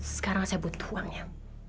sekarang saya butuh uangnya